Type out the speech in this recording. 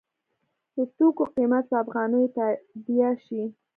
د توکو قیمت په افغانیو تادیه شي.